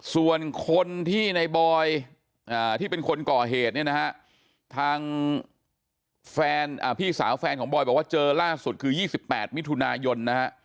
ส่วนคนที่ในบอยที่เป็นคนก่อเหตุทางพี่สาวแฟนของบอยบอกว่าเจอล่าสุดคือ๒๘มิถุนายน